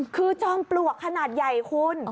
คือจอมปลวกขนาดใหญ่คุณ